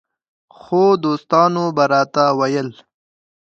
خو دوستانو به راته ویل